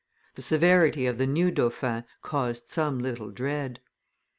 The severity of the new dauphin caused some little dread.